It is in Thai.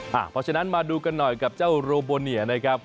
เพราะฉะนั้นมาดูกันหน่อยกับเจ้าโรโบเนียนะครับ